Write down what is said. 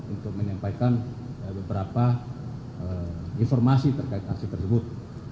untuk menyampaikan beberapa informasi terkait aksi tersebut